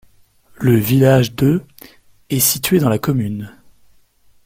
Le village de est situé dans la commune.